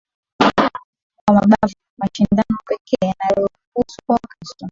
kwa mabavu Mashindano pekee yanayoruhusiwa kwa Mkristo